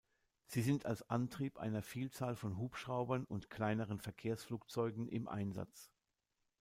Sie sind als Antrieb einer Vielzahl von Hubschraubern und kleineren Verkehrsflugzeugen im Einsatz.